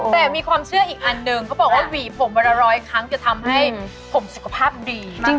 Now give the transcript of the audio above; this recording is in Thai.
แต่มีความเชื่ออีกอันหนึ่งเขาบอกว่าหวีผมวันละร้อยครั้งจะทำให้ผมสุขภาพดี